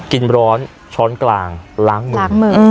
กินร้อนช้อนกลางล้างมือ